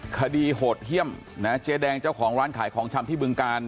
โหดเยี่ยมนะเจ๊แดงเจ้าของร้านขายของชำที่บึงกาล